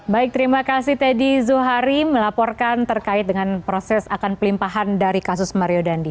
baik terima kasih teddy zuhari melaporkan terkait dengan proses akan pelimpahan dari kasus mario dandi